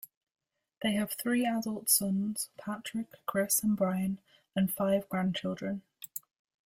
They have three adult sons, Patrick, Chris, and Brian, and five grandchildren.